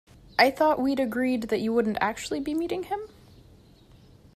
I thought we'd agreed that you wouldn't actually be meeting him?